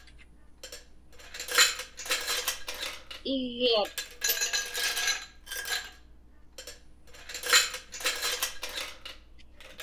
iggiat